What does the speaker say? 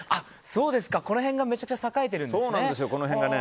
そうですか、この辺がめちゃくちゃ栄えてるんですね。